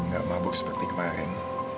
gak mabuk seperti kemarin